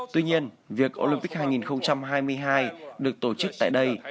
tuy nhiên việc olympic hai nghìn hai mươi hai được tổ chức tại đây